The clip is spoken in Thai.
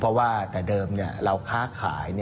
เพราะว่าแต่เดิมเราค้าขาย